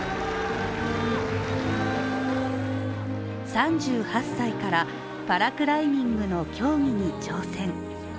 ３８歳から、パラクライミングの競技に挑戦。